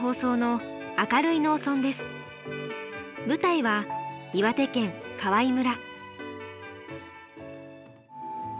舞台は岩手県川井村。